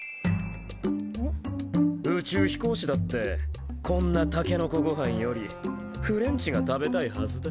宇宙飛行士だってこんなたけのこごはんよりフレンチが食べたいはずだ。